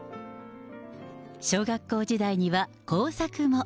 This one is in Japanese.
小学校時代には工作も。